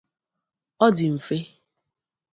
ọ dị mfe.